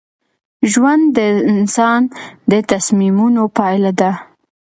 ژوند د انسان د تصمیمونو پایله ده.